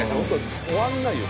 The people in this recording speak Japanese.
終わらないよ